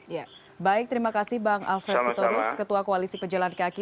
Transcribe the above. ya baik terima kasih bang alfred sitorus ketua koalisi pejalan kaki